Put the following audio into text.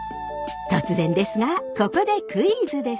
突然ですがここでクイズです！